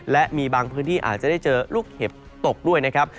และมีบางพื้นที่อาจจะได้เจอลูกเห็บตกด้วยนะครับ